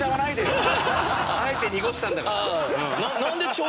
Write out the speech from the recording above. あえて濁したんだから。